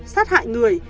sát hại người